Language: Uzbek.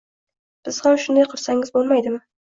Siz ham shunday qilsangiz bo`lmaydimi